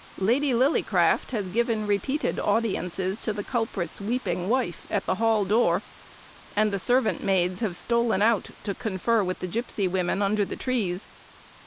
Lady Lillycraft has given repeated audiences to the culprit's weeping wife, at the Hall door; and the servant maids have stolen out to confer with the gipsy women under the trees.